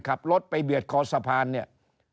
ขับรถไปเบียดคอสะพานเนี่ย